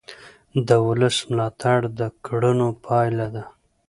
د ولس ملاتړ د کړنو پایله ده